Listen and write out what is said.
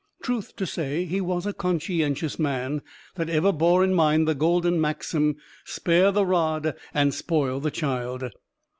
Truth to say, he was a conscientious man, that ever bore in mind the golden maxim, "spare the rod and spoil the child."